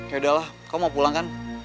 ya udahlah kamu mau pulang kan